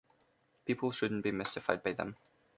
People shouldn't be mystified by them.